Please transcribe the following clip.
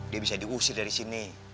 dia bisa diusir dari sini